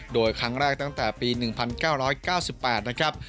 โดยครั้งแรกตั้งแต่ปี๑๙๙๘นะครับ